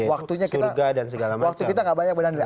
waktunya kita tidak banyak berdiri